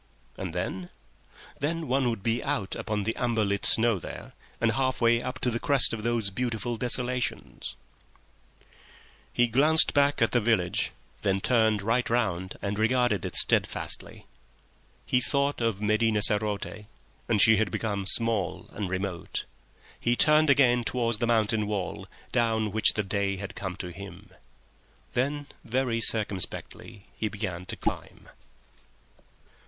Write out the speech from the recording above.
And then? Then one would be out upon the amber lit snow there, and half way up to the crest of those beautiful desolations. And suppose one had good fortune! He glanced back at the village, then turned right round and regarded it with folded arms. He thought of Medina sarote, and she had become small and remote. He turned again towards the mountain wall down which the day had come to him. Then very circumspectly he began his climb.